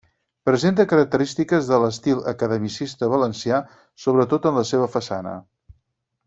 Presenta característiques de l'estil academicista valencià, sobretot en la seva façana.